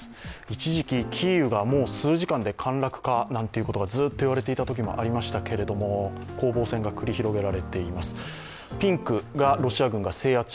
一時期、キーウが数時間で陥落かということがずっと言われていたときもありましたけれども、攻防戦が繰り広げられています。